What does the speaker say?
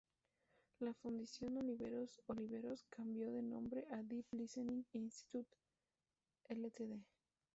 La Fundación Oliveros Oliveros cambió su nombre a Deep Listening Institute, Ltd.